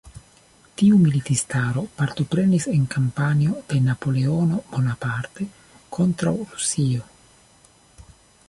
Tiu militistaro partoprenis en la kampanjo de Napoleono Bonaparte kontraŭ Rusio.